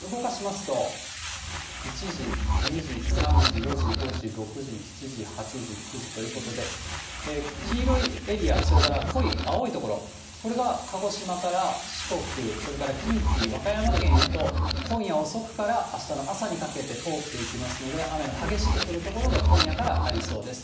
動かしますと、１時、２時、３時、４時、５時、６時、７時、８時、９時ということで、黄色いエリア、それから濃い青い所、これが鹿児島から四国、それから近畿、和歌山県へと、今夜遅くからあしたの朝にかけて通っていきますので、雨の激しく降る所が今夜からありそうです。